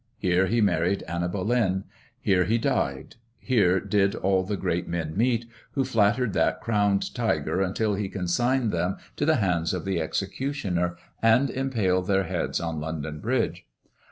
Here he married Anna Boleyn; here he died; here did all the great men meet, who flattered that crowned tiger until he consigned them to the hands of the executioner, and impaled their heads on London Bridge.